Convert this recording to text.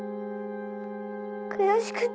悔しくて。